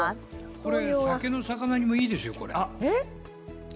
これ酒の肴にもいいですよ。